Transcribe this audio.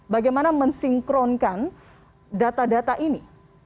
bagaimana mensinkronkan data data ini